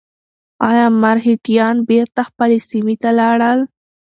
ایا مرهټیان بېرته خپلې سیمې ته لاړل؟